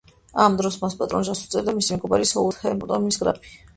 ამ დროს მას პატრონაჟს უწევდა მისი მეგობარი, საუთჰემპტონის გრაფი.